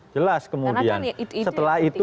jelas kemudian setelah itu